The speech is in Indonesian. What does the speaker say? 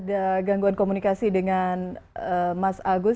ada gangguan komunikasi dengan mas agus